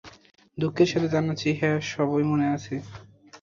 দুঃখের সাথে জানাচ্ছি, হ্যাঁ সবই মনে আছে।